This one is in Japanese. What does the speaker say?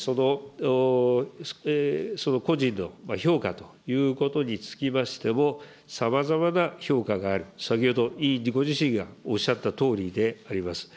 その故人の評価ということにつきましても、さまざまな評価がある、先ほど委員ご自身がおっしゃったとおりであります。